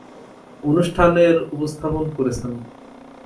অনুষ্ঠান এর উপস্থাপন করেছেন।